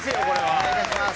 お願いいたします。